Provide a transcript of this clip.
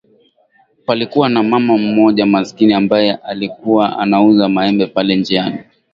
Palikua na mama mmoja maskini ambaye alikuwa anauza maembe pale njiani.